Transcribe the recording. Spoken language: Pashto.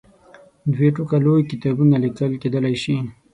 دوې ټوکه لوی کتابونه لیکل کېدلای شي.